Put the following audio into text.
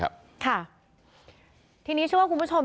แล้วอันนี้ก็เปิดแล้ว